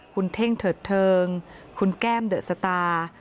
คุณเท่งเถิดเทิงคุณแก้มเดอะสตาร์